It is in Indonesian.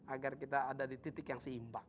agar kita ada di titik yang seimbang